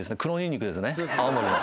青森の。